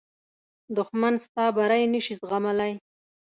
دښمن ستا بری نه شي زغملی